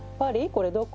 これどこ？